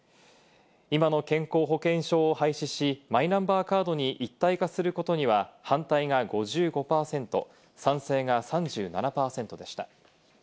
今の健康保険証を廃止し、マイナンバーカードに一体化することには、反対が５５％、賛成が３７％でした。